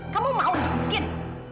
kamu mau hidup meskin